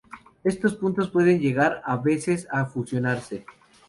Estos puntos pueden llegar a veces a fusionarse.